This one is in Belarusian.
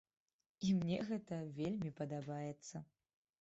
І мне гэта вельмі падабаецца!